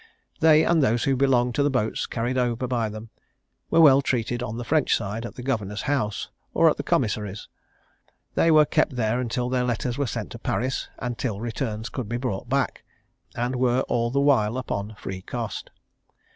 They, and those who belonged to the boats carried over by them, were well treated on the French side at the governor's house, or at the commissary's: they were kept there till their letters were sent to Paris, and till returns could be brought back, and were all the while upon free cost.